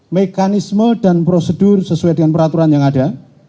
mekanisme dan prosedur sesuai dengan peraturan yang ada